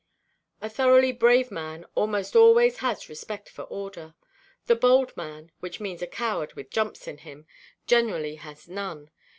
A thoroughly brave man almost always has respect for order. The bold man—which means a coward with jumps in him—generally has none.